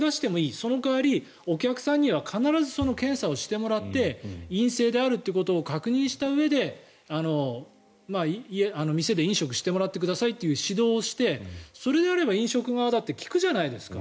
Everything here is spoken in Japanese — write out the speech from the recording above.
その代わり必ずお客さんにはその検査をしてもらって陰性であるということを確認したうえで店で飲食してもらってくださいという指導をしてそれであれば飲食側だって聞くじゃないですか。